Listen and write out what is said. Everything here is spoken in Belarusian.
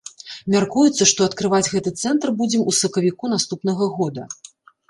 Мяркуецца, што адкрываць гэты цэнтр будзем у сакавіку наступнага года.